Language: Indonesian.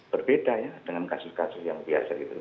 berbeda ya dengan kasus kasus yang biasa gitu